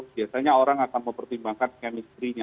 biasanya orang akan mempertimbangkan kemistrinya